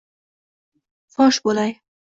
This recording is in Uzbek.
Fosh bo’lay